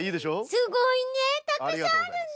すごいね。